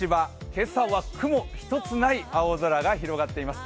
今朝は雲一つない青空が広がっています。